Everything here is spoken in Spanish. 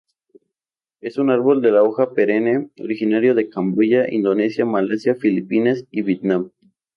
Es un árbol de hoja perenne originario de Camboya, Indonesia, Malasia, Filipinas y Vietnam.